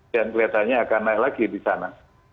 dan kelihatannya akan naik lagi di sana